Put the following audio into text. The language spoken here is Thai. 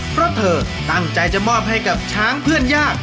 เพราะเธอตั้งใจจะมอบให้กับช้างเพื่อนยาก